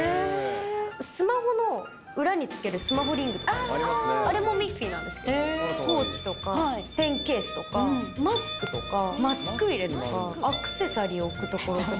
スマホの裏につけるスマホリングとか、あれもミッフィーなんですけど、ポーチとか、ペンケースとか、マスクとか、マスク入れ、アクセサリーを置く所とか。